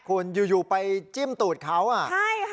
คุณอยู่อยู่ไปจิ้มตูดเขาอ่ะใช่ค่ะ